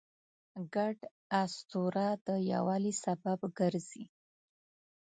ګډ اسطوره د یووالي سبب ګرځي.